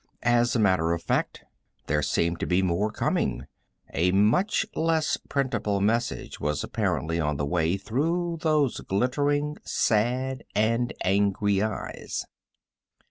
As a matter of fact, there seemed to be more coming a much less printable message was apparently on the way through those glittering, sad and angry eyes.